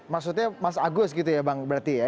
maksudnya mas agus gitu ya bang berarti ya